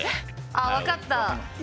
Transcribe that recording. あ分かった。